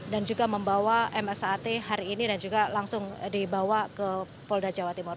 dan juga membawa msat hari ini dan juga langsung dibawa ke polda jawa timur